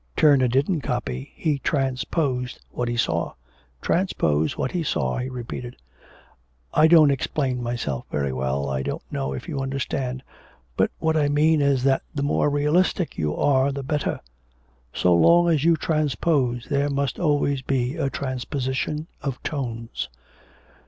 Turner didn't copy, he transposed what he saw. Transposed what he saw,' he repeated. 'I don't explain myself very well, I don't know if you understand. But what I mean is that the more realistic you are the better; so long as you transpose, there must always be a transposition of tones.'